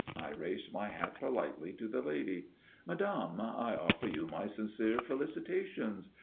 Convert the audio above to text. I raised my hat politely to the lady. "Madame, I offer you my sincere felicitations.